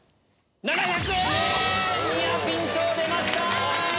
７００円！ニアピン賞出ました！